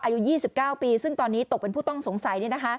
อายุ๒๙ปีซึ่งตอนนี้ตกเป็นผู้ต้องสงสัย